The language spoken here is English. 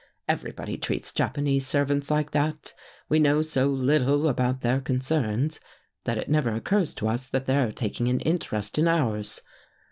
Everybody treats Japanese servants like that. We know so little about their concerns, that it never occurs to us that they're taking an interest in ours.